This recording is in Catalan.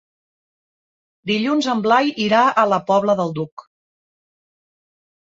Dilluns en Blai irà a la Pobla del Duc.